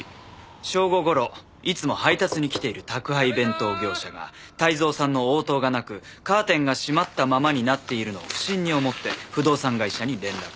正午頃いつも配達に来ている宅配弁当業者が泰造さんの応答がなくカーテンが閉まったままになっているのを不審に思って不動産会社に連絡。